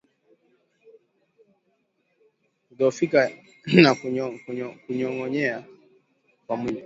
Kudhoofika na kunyong'onyea kwa mwili